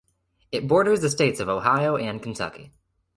It borders the states of Ohio and Kentucky.